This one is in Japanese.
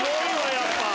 やっぱ。